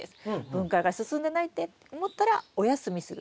分解が進んでないって思ったらお休みする。